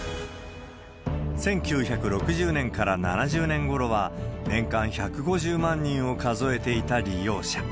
１９６０年から７０年ごろは、年間１５０万人を数えていた利用者。